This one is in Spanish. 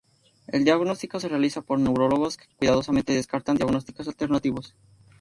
El diagnóstico se realiza por neurólogos que cuidadosamente descartan diagnósticos alternativos.